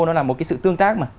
nó là một cái sự tương tác